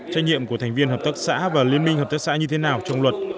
trách nhiệm của thành viên hợp tác xã và liên minh hợp tác xã như thế nào trong luật